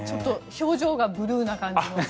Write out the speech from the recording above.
表情がブルーな感じの。